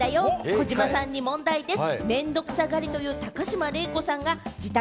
児嶋さんに問題です。